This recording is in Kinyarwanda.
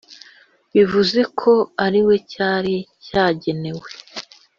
bivuze ko ari we cyari cyagenewe